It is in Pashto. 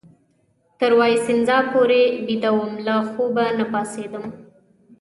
تر وایسینزا پورې بیده وم، له خوبه نه پاڅېدم.